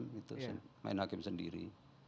gitu main hakim sendiri